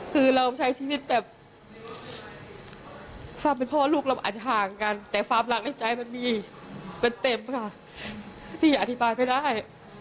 พี่อธิบายเป็นไงแต่ยังโดนพี่ก็นิดใจ